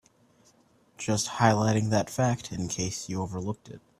Just highlighting that fact in case you overlooked it.